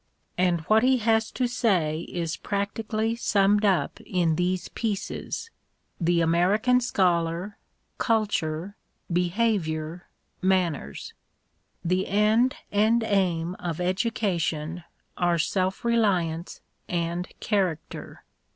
And what he has to say is practically summed up in these pieces : "The American Scholar," "Culture," Be haviour, "" Manners." The end and aim of education are self reliance and character.